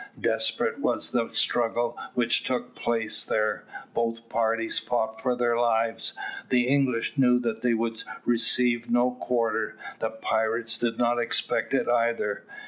Desperate was the struggle which took place there. Both parties fought for their lives. The English knew that they should receive no quarter. The pirates did not expect it either.